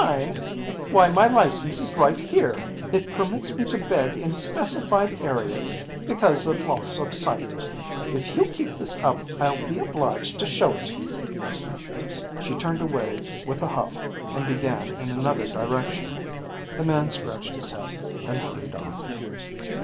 "Not blind? Why my license is right here. It permits me to beg in specified areas because of loss of sight. If you keep this up, I'll be obliged to show it to you." She turned away with a huff and began in another direction. The man scratched his head, then hurried off.